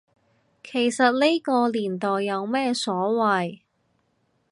其實呢個年代有咩所謂